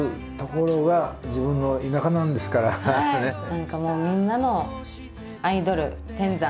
何かもうみんなのアイドル天山。